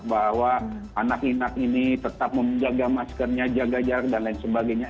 bahwa anak anak ini tetap menjaga maskernya jaga jarak dan lain sebagainya